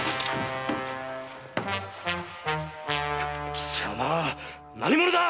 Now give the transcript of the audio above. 貴様何者だ⁉